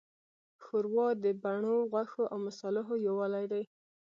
ښوروا د بڼو، غوښو، او مصالحو یووالی دی.